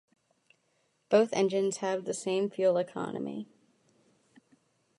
Both engines have the same fuel economy.